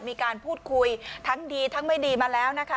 มีการพูดคุยทั้งดีทั้งไม่ดีมาแล้วนะคะ